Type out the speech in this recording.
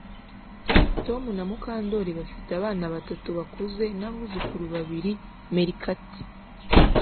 Tom na Mukandoli bafite abana batatu bakuze nabuzukuru babiri meerkat